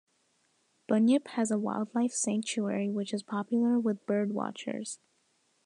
Bunyip has a wildlife sanctuary which is popular with bird watchers.